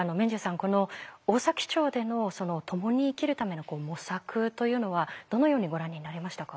この大崎町での共に生きるための模索というのはどのようにご覧になりましたか？